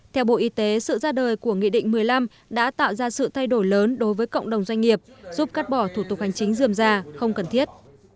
theo bộ y tế sự ra đời của nghị định một mươi năm đã tạo ra sự thay đổi lớn đối với cộng đồng doanh nghiệp giúp cắt bỏ thủ tục hành chính dườm già không cần thiết